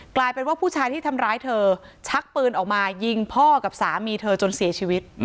กลายเป็นว่าผู้ชายที่ทำร้ายเธอชักปืนออกมายิงพ่อกับสามีเธอจนเสียชีวิต